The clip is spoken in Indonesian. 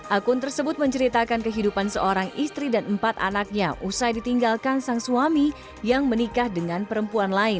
akun tersebut menceritakan kehidupan seorang istri dan empat anaknya usai ditinggalkan sang suami yang menikah dengan perempuan lain